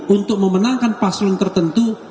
untuk memenangkan paslon tertentu